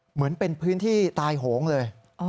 เหมือนเป็นพื้นที่ตายโหงเลย